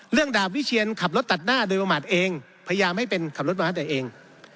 ดาบวิเชียนขับรถตัดหน้าโดยประมาทเองพยายามให้เป็นขับรถประมาทแต่เอง